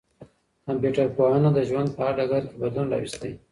کمپيوټر پوهنه د ژوند په هر ډګر کي بدلون راوستی.